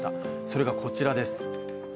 それがこちらです。